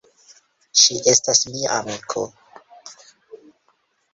Ŝi estas mia amiko.